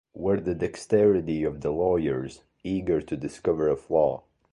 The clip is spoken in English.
Where the dexterity of the lawyers, eager to discover a flaw?